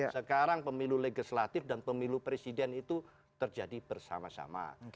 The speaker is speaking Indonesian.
sekarang pemilu legislatif dan pemilu presiden itu terjadi bersama sama